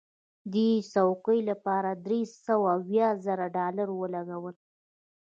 دې چوکۍ لپاره درې سوه اویا زره ډالره ولګول.